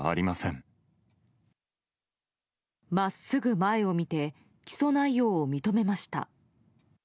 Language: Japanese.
真っすぐ前を見て起訴内容を認めました。